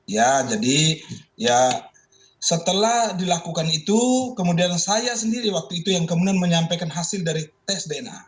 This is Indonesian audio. ya jadi ya setelah dilakukan itu kemudian saya sendiri waktu itu yang kemudian menyampaikan hasil dari tes dna